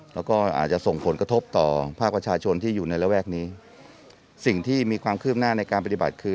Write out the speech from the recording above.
แล้วก็อาจจะส่งผลกระทบต่อภาคประชาชนที่อยู่ในระแวกนี้สิ่งที่มีความคืบหน้าในการปฏิบัติคือ